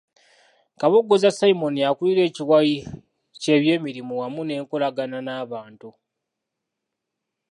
Kabogoza Simon y’akulira ekiwayi ky’eby'emirimu wamu n’enkolagana n’abantu (Operations and Cooperate Affairs).